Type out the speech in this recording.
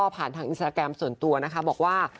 ผ่านทางอินสตราแกรมส่วนตัวนะคะบอกว่า